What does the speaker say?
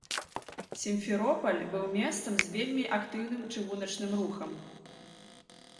Сімферопаль быў месцам з вельмі актыўным чыгуначным рухам.